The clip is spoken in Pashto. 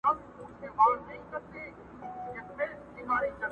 چي فکرونه د نفاق پالي په سر کي!